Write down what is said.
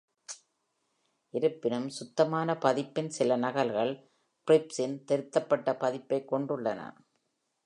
இருப்பினும் சுத்தமான பதிப்பின் சில நகல்கள், ட்ரிப்ஸின் திருத்தப்பட்ட பதிப்பைக் கொண்டுள்ளன.